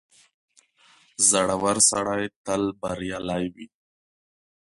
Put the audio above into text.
• زړور سړی تل بریالی وي.